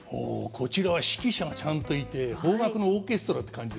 こちらは指揮者がちゃんといて邦楽のオーケストラって感じですね。